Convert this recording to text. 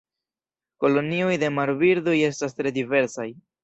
Kolonioj de marbirdoj estas tre diversaj.